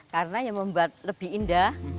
karena yang membuat lebih indah